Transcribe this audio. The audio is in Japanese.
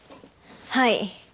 はい。